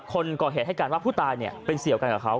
คนก่อเหตุให้การว่าผู้ตายเป็นเสี่ยวกันกับเขา